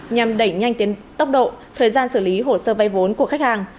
nhằm đẩy nhanh tiến tốc độ thời gian xử lý hồ sơ vay vốn của khách hàng